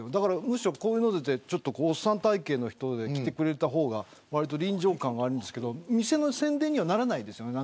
むしろおっさん体形の人が着てくれた方がわりと臨場感があるんですけど店の宣伝にはならないですよね。